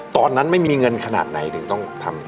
ตอนนั้นไม่มีเงินขนาดไหนถึงต้องทำ